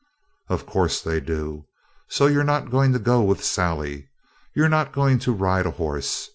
"Of course they do. So you're not going to go with Sally. You're not going to ride a horse.